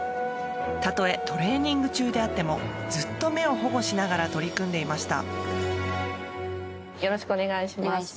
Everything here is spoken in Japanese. たとえトレーニング中であってもずっと目を保護しながら取り組んでいました。